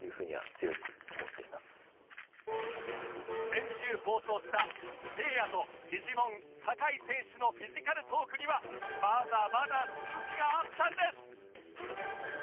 先週放送したせいやとフィジモン酒井選手のフィジカルトークにはまだまだ続きがあったんです！